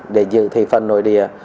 để giữ thị phần nội địa